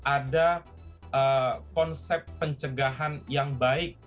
ada konsep pencegahan yang baik